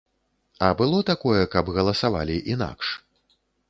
А было такое, каб галасавалі інакш?